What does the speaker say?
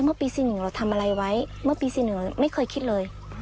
เมื่อปี๔๑เราทำอะไรไว้เมื่อปี๔๑ไม่เคยคิดเลย